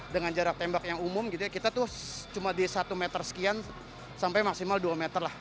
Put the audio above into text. dengan jarak tembak yang umum gitu ya kita tuh cuma di satu meter sekian sampai maksimal dua meter lah